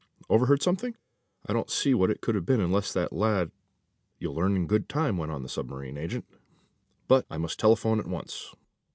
"Overheard something? I don't see what it could be, unless that lad " "You'll learn in good time," went on the submarine agent. "But I must telephone at once."